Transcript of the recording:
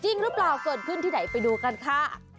จริงหรือเปล่าเกิดขึ้นที่ไหนไปดูกันค่ะ